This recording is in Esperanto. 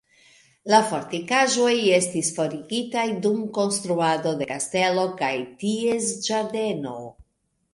La fortikaĵoj estis forigitaj dum konstruado de kastelo kaj ties ĝardeno.